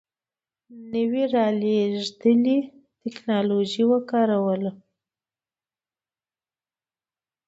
نوې رالېږدېدلې ټکنالوژي یې وکاروله.